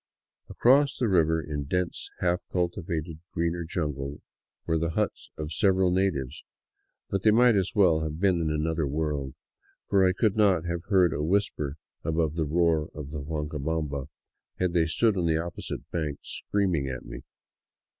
Across the river in dense, half cultivated, greener jungle were the huts of several natives ; but they might as well have been in another world, for I could not have heard a whisper above the roar of the Huanca bamba had they stood on the opposite bank screaming across at me.